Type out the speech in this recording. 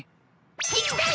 行きたい！